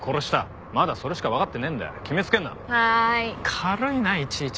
軽いないちいち。